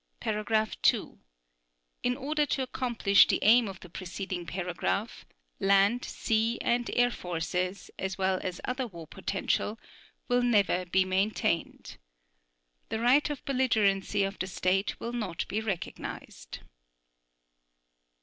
(2) In order to accomplish the aim of the preceding paragraph, land, sea, and air forces, as well as other war potential, will never be maintained. The right of belligerency of the state will not be recognized.